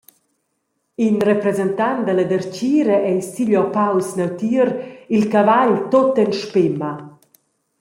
In representant dalla dertgira ei siglioppaus neutier, il cavagl tut en spema.